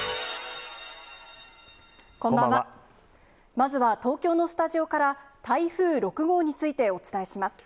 まずは東京のスタジオから、台風６号についてお伝えします。